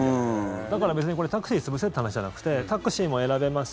だから、これ別にタクシー潰せって話じゃなくてタクシーも選べます